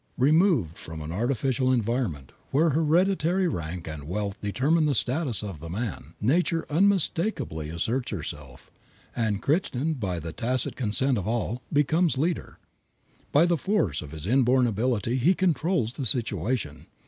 Removed from an artificial environment, where hereditary rank and wealth determine the status of the man, Nature unmistakably asserts herself, and Crichton, by the tacit consent of all, becomes leader. By the force of his inborn ability he controls the situation.